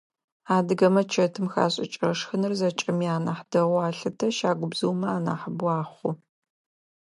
Адыгэмэ чэтым хашӏыкӏырэ шхыныр зэкӏэми анахь дэгъоу алъытэ, щагубзыумэ анахьыбэу ахъу.